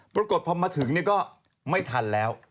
ปรากฏพอมาถึงก็ไม่ทันแล้ว